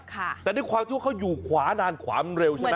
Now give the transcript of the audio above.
แต่ด้วยความที่ว่าเขาอยู่ขวานานขวามันเร็วใช่ไหม